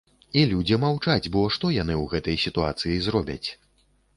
І людзі маўчаць, бо што яны ў гэтай сітуацыі зробяць.